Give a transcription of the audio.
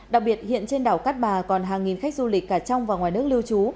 đặc biệt hiện trên đảo cát bà còn hàng nghìn khách du lịch cả trong và ngoài nước lưu trú